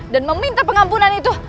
dan meminta pengampunan itu